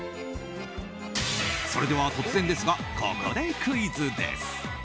それでは突然ですがここでクイズです。